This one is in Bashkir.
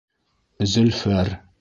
Зөлфәр!